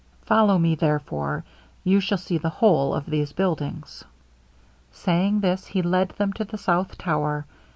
Follow me, therefore; you shall see the whole of these buildings.' Saying this, he led them to the south tower.